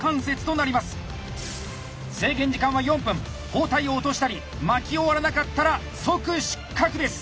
包帯を落としたり巻き終わらなかったら即失格です。